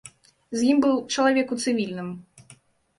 З ім быў чалавек у цывільным.